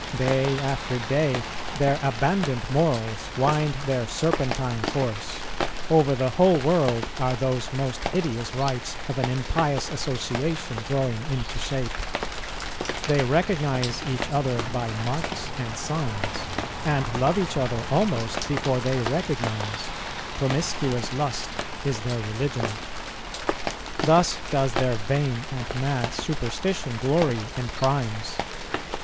... Day after day, their abandoned morals wind their serpentine course; over the whole world are those most hideous rites of an impious association growing into shape: ... they recognize each other by marks and signs, and love each other almost before they recognize; promiscuous lust is their religion. Thus does their vain and mad superstition glory in crimes.